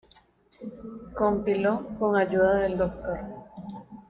Compiló con ayuda del Dr.